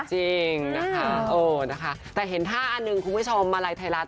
จริงนะคะเออนะคะแต่เห็นท่าอันหนึ่งคุณผู้ชมมาลัยไทยรัฐ